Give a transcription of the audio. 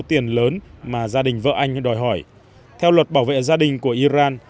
số tiền lớn mà gia đình vợ anh đòi hỏi theo luật bảo vệ gia đình của iran